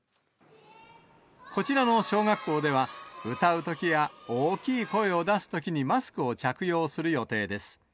こちらの小学校では、歌うときや大きい声を出すときにマスクを着用する予定です。